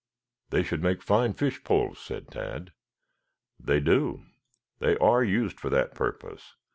"They should make fine fishpoles," said Tad. "They do. They are used for that purpose.